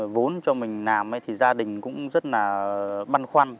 vốn cho mình làm thì gia đình cũng rất là băn khoăn